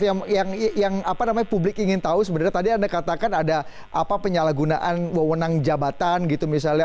nah yang publik ingin tahu sebenarnya tadi anda katakan ada apa penyalahgunaan wewenang jabatan gitu misalnya